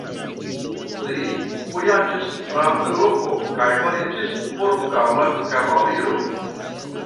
Li vojaĝis tra Eŭropo kaj fariĝis portugala kavaliro.